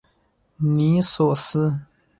尼索斯。